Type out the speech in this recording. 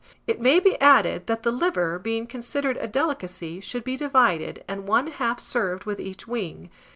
It may be added, that the liver, being considered a delicacy, should be divided, and one half served with each wing.